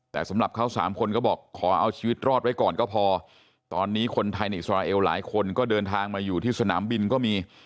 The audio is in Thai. แต่สำหรับเขาสามคนก็บอกขอเอาชีวิตรอดไว้ก่อนก็พอตอนนี้คนไทยในอิสราเอลหลายคนก็เดินทางมาอยู่ที่สนามบินก็มี